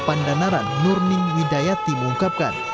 pandanaran nurning widaya tim mengungkapkan